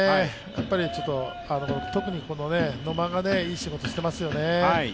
やっぱり、特に野間がいい仕事をしていますね。